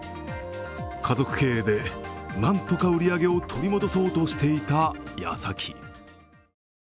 家族経営でなんとか売り上げを取り戻そうとしていたやさき。